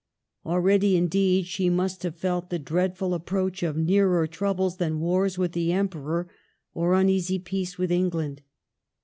Aheady, indeed, she must have felt the dreadful approach of nearer troubles than wars with the Emperor or uneasy peace with England.